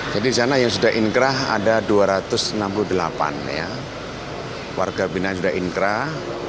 jadi di sana yang sudah inkrah ada dua ratus enam puluh delapan warga binaan yang sudah inkrah